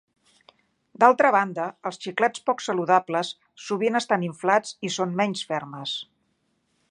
D'altra banda, els xiclets poc saludables sovint estan inflats i són menys fermes.